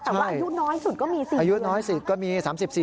แต่ว่าอายุน้อยสุดก็มี๔๐ปี